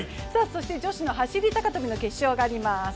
そして女子の走高跳の決勝があります。